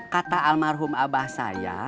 kata almarhum abah saya